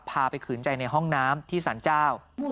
พาไปขืนใจในห้องน้ำที่สรรเจ้า